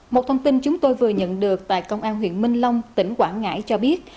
một thông tin chúng tôi vừa nhận được tại công an huyện minh long tỉnh quảng ngãi cho biết